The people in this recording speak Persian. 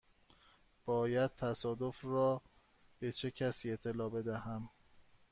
باید تصادف را به چه کسی اطلاع بدهم؟